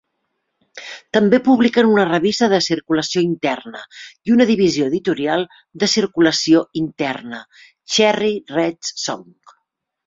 També publiquen una revista de circulació interna i una divisió editorial "de circulació interna", "Cherry Red Songs".